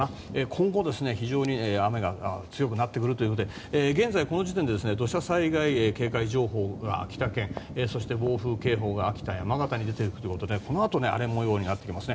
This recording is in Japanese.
今後、非常に雨が強くなってくるということで現在、この時点で土砂災害警戒情報が秋田県そして暴風警報が秋田や山形に出ているということでこのあと荒れ模様になってきます。